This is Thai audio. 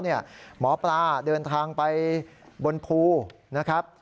หมอปลาเดินทางไปบนภูนะครับ